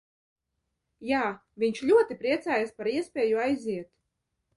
Jā, viņš ļoti priecājas par iespēju aiziet!